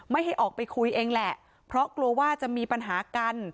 ไม่ให้ออกไปคุยเองแหละเพราะกลัวว่าจะมีปัญหากัน